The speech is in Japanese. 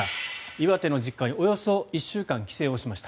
岩手の実家におよそ１週間帰省しました。